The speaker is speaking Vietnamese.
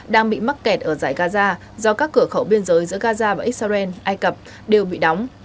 đang bị mắc kẹt ở giải gaza do các cửa khẩu biên giới giữa gaza và israel ai cập đều bị đóng